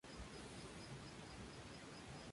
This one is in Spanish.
Se encuentra en Malasia y Vietnam.